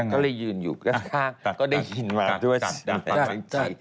ก็เลยยืนอยู่ข้างก็ได้ยินมา